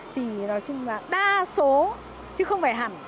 thì nói chung là đa số chứ không phải hẳn